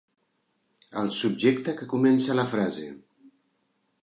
El subjecte que comença la frase.